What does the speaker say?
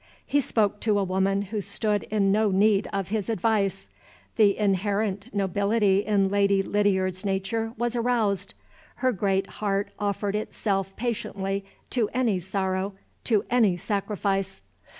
He spoke to a woman who stood in no need of his advice. The inherent nobility in Lady Lydiard's nature was aroused: her great heart offered itself patiently to any sorrow, to any sacrifice.